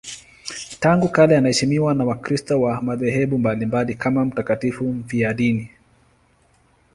Tangu kale anaheshimiwa na Wakristo wa madhehebu mbalimbali kama mtakatifu mfiadini.